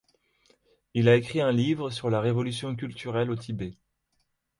Il a écrit un livre sur la révolution culturelle au Tibet.